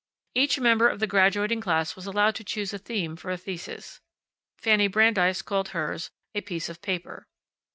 Each member of the graduating class was allowed to choose a theme for a thesis. Fanny Brandeis called hers "A Piece of Paper."